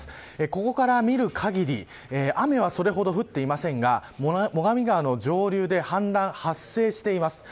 ここから見る限り雨はそれほど降っていませんが最上川の上流で氾濫が発生しています。